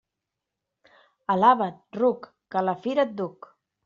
Alaba't, ruc, que a la fira et duc.